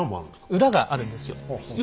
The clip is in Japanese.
裏があるんですよ。